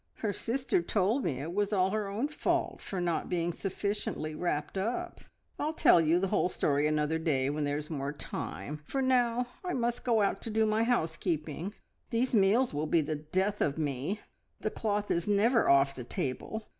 Her sister told me it was all her own fault for not being sufficiently wrapped up. I'll tell you the whole story another day when there is more time, for now I must go out to do my housekeeping. These meals will be the death of me! The cloth is never off the table.